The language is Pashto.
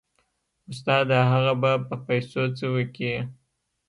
استاده هغه به په پيسو څه وکي.